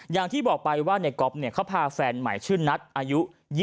อย่างที่บอกไปว่าในก๊อฟเขาพาแฟนใหม่ชื่อนัทอายุ๒๐